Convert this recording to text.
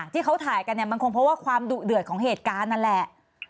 ที่เขาถ่ายกันเนี่ยมันคงเพราะว่าความดุเดือดของเหตุการณ์นั่นแหละ